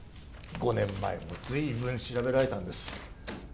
５年前もずいぶん調べられたんです